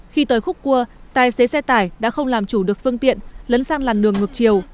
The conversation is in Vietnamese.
khi tới khúc cua tài xế xe tải đã không làm chủ được phương tiện lấn sang làn đường ngược chiều